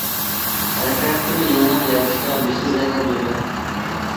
ھەر تەرەپلىمە يېڭىلىق يارىتىشتا بېسىم ئېغىر بولىدۇ.